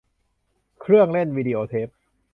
เครื่องเล่นวีดีโอเทป